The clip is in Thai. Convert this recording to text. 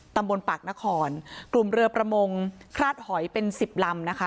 ตำบลปากนครกลุ่มเรือประมงคราดหอยเป็นสิบลำนะคะ